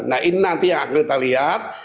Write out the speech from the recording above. nah ini nanti yang akan kita lihat